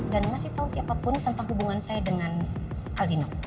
dan ngasih tau siapapun tentang hubungan saya dengan aldina